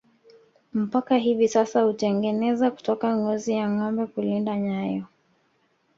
Mpaka hivi sasa hutengeneza kutoka ngozi ya ngombe kulinda nyayo